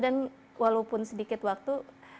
dan walaupun sedikit waktu